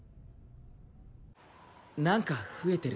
何か増えてる！